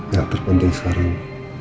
yang terpenting sekarang